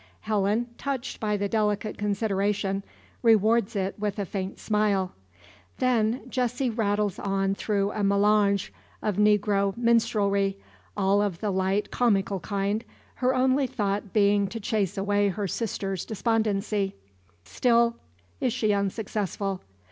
Helen, touched by the delicate consideration, rewards it with a faint smile. Then, Jessie rattles on through a melange of negro ministrelsy, all of the light comical kind, her only thought being to chase away her sister's despondency. Still is she unsuccessful.